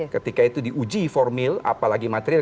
ketika itu diuji formil apalagi material